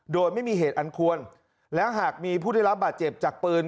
โดยไม่มีเหตุอันควรและหากมีผู้ได้รับบาดเจ็บจากปืน